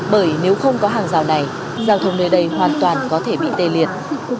bởi nếu không có hàng rào này giao thông nơi đây hoàn toàn có thể bị tê liệt